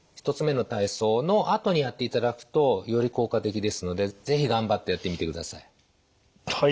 １つ目の体操のあとにやっていただくとより効果的ですので是非頑張ってやってみてください。